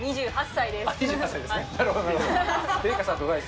２８歳ですね。